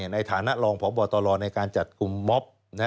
ในฐานะรองพบตรในการจัดกลุ่มมอบ